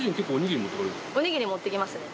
おにぎり持っていきますね。